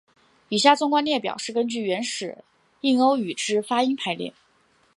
以下纵观列表是根据原始印欧语之发音排列。